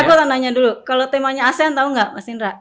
eh aku mau tanya dulu kalau temanya asean tau nggak mas indra